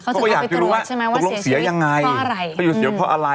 เขาก็อยากจะรู้ว่าตกลงเสียยังไงเขาจะเสียเพราะอะไร